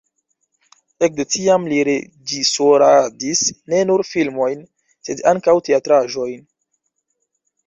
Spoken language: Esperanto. Ekde tiam li reĝisoradis ne nur filmojn, sed ankaŭ teatraĵojn.